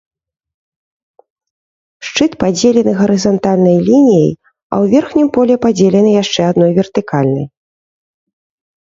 Шчыт падзелены гарызантальнай лініяй, а ў верхнім полі падзелены яшчэ адной вертыкальнай.